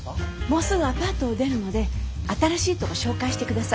もうすぐアパートを出るので新しいとこ紹介してください。